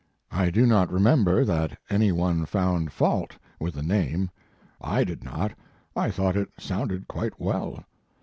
I do not remember that any one found fault with the name. I did not ; I thought it sounded quite well.